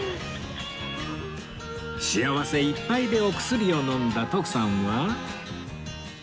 幸せいっぱいでお薬を飲んだ徳さんは